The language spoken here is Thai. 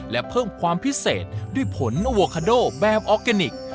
และเพิ่มความพิเศษด้วยผลอโวคาโดแบบออร์แกนิค